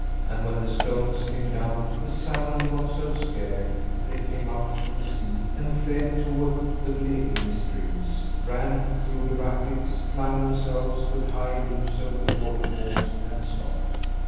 And when the stones came down, the salmon got so scared that they came up from the sea and fled toward the Blekinge streams; ran through the rapids; flung themselves with high leaps over the waterfalls, and stopped.